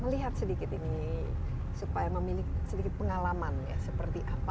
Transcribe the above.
melihat sedikit ini supaya memiliki sedikit pengalaman ya seperti apa